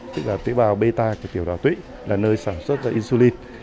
tức là tủy bào bê ta của tiểu đảo tủy là nơi sản xuất insulin